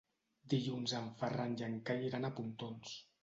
Dilluns en Ferran i en Cai iran a Pontons.